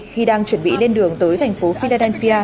khi đang chuẩn bị lên đường tới thành phố fidanfia